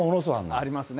ありますね。